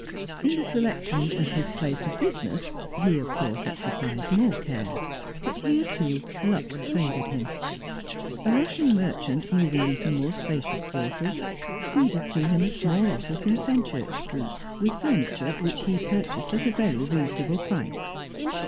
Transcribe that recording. In the selection of his place of business, he of course exercised more care, but here, too, luck favoured him. A Russian merchant moving into more spacious quarters ceded to him a small office in Fenchurch Street, with furniture which he purchased at a very reasonable price.